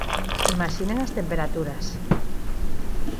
Imaxinen as temperaturas.